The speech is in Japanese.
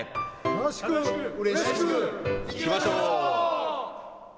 楽しくうれしくいきましょう。